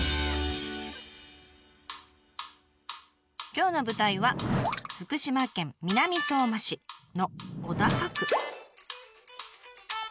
今日の舞台は福島県南相馬市の小高区。